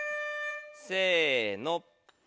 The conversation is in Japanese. せの。